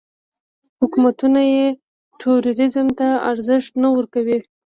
حکومتونه یې ټوریزم ته ارزښت نه ورکوي.